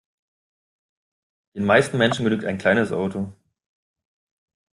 Den meisten Menschen genügt ein kleines Auto.